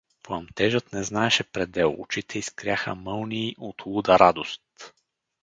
Пламтежът не знаеше предел, очите искряха мълнии от луда радост.